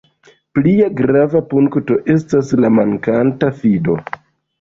Plia grava punkto estas la mankanta fido.